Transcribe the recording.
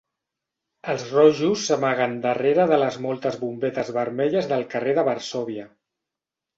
Els rojos s'amaguen darrere de les moltes bombetes vermelles del carrer de Varsòvia.